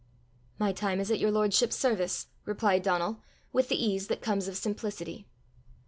"My time is at your lordship's service," replied Donal, with the ease that comes of simplicity.